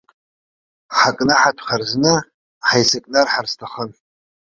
Ҳакнаҳатәхар зны, ҳаицыкнарҳар сҭахын.